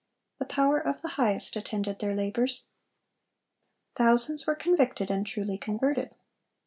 The power of the Highest attended their labors. Thousands were convicted and truly converted.